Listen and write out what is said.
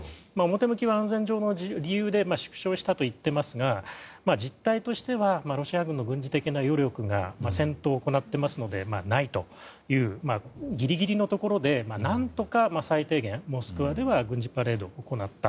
表向きは安全上の理由で縮小したといっていますが実態としてはロシア軍の軍事的な余力が戦闘を行っていますのでないというギリギリのところで何とか最低限モスクワでは軍事パレードを行った。